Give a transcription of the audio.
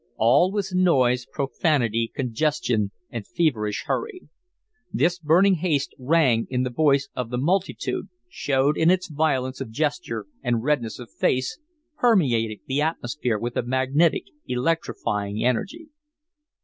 All was noise, profanity, congestion, and feverish hurry. This burning haste rang in the voice of the multitude, showed in its violence of gesture and redness of face, permeated the atmosphere with a magnetic, electrifying energy.